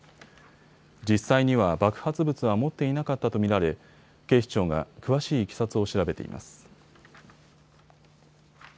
実際には爆発物は持っていなかったと見られ警視庁が詳しいいきさつを調べています。